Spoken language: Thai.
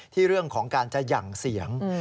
เรื่องของการจะหยั่งเสียง